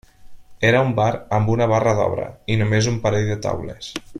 Era un bar amb una barra d'obra i només un parell de taules.